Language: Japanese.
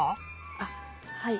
あっはい。